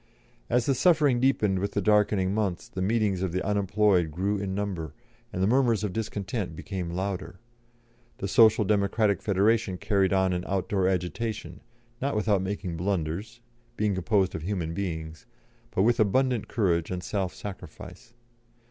As the suffering deepened with the darkening months, the meetings of the unemployed grew in number, and the murmurs of discontent became louder. The Social Democratic Federation carried on an outdoor agitation, not without making blunders, being composed of human beings, but with abundant courage and self sacrifice.